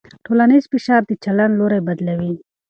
ټولنیز فشار د چلند لوری بدلوي.